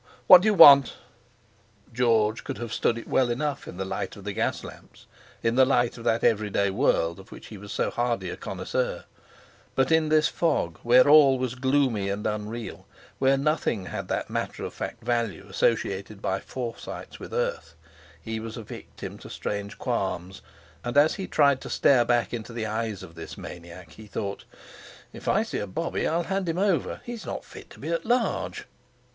What do you want?" George could have stood it well enough in the light of the gas lamps, in the light of that everyday world of which he was so hardy a connoisseur; but in this fog, where all was gloomy and unreal, where nothing had that matter of fact value associated by Forsytes with earth, he was a victim to strange qualms, and as he tried to stare back into the eyes of this maniac, he thought: "If I see a bobby, I'll hand him over; he's not fit to be at large."